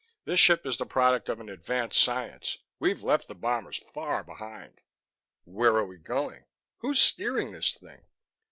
"This ship is the product of an advanced science. We've left the bombers far behind." "Where are we going? Who's steering this thing?"